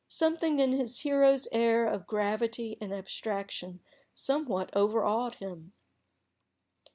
Something in his hero's air of gravity and abstraction somewhat overawed him.